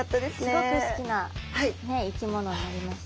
すごく好きな生き物になりました。